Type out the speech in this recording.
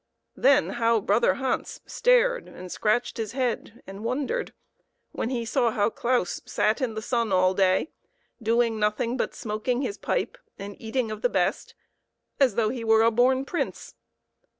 Then how brother Hans stared and scratched his head and wondered, when he saw how Claus sat in the sun all day, doing nothing but smoking his pipe and eating of the best, as though he were a born prince